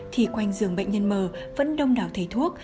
thì quanh giường bệnh nhân mờ vẫn đông đảo thầy thuốc